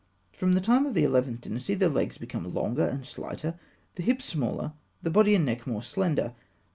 From the time of the Eleventh Dynasty, the legs become longer and slighter, the hips smaller, the body and the neck more slender.